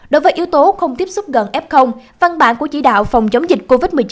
đối với yếu tố không tiếp xúc gần f văn bản của chỉ đạo phòng chống dịch covid một mươi chín